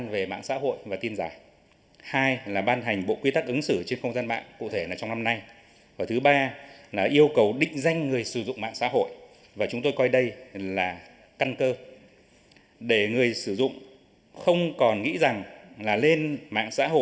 vì vô danh và vì thế mà vô trách nhiệm